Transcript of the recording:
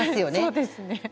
そうですね。